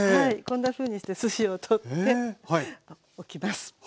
こんなふうにして筋を取っておきます。